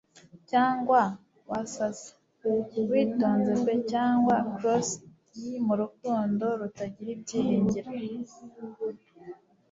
Cyangwa wasaze witonze pe cyangwa cross'd mu rukundo rutagira ibyiringiro.